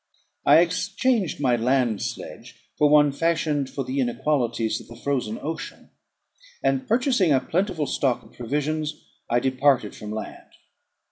I exchanged my land sledge for one fashioned for the inequalities of the Frozen Ocean; and purchasing a plentiful stock of provisions, I departed from land.